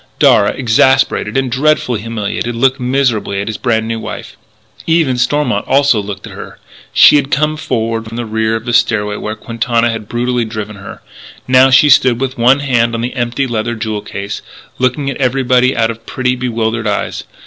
Darragh, exasperated and dreadfully humiliated, looked miserably at his brand new wife. Eve and Stormont also looked at her. She had come forward from the rear of the stairway where Quintana had brutally driven her. Now she stood with one hand on the empty leather jewel case, looking at everybody out of pretty, bewildered eyes.